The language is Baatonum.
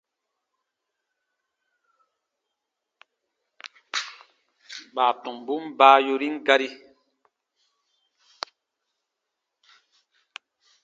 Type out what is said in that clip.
Baatɔmbun baa yorin gari.